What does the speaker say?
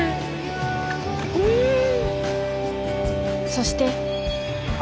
そして。